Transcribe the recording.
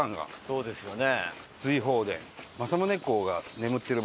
そうですよね。